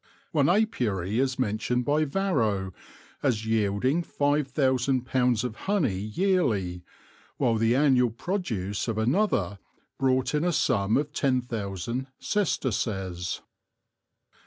One apiary is mentioned by Varro as yielding five thousand pounds of honey yearly, while the annual produce of another brought in a sum of ten thousand sesterces.